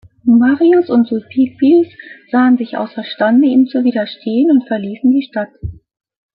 Marius und Sulpicius sahen sich außerstande, ihm zu widerstehen und verließen die Stadt.